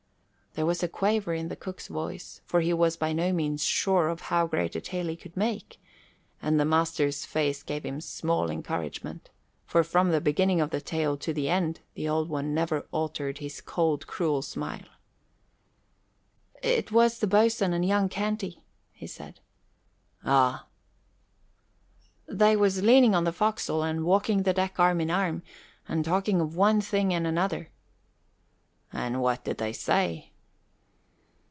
There was a quaver in the cook's voice, for he was by no means sure of how great a tale he could make, and the master's face gave him small encouragement, for from the beginning of the tale to the end the Old One never altered his cold, cruel smile. "It was the boatswain and young Canty," he said. "Ah!" "They was leaning on the forecastle and walking the deck arm in arm and talking of one thing and another." "And what did they say?"